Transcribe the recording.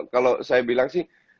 kalau saya bilang sih